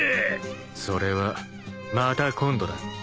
それはまた今度だ。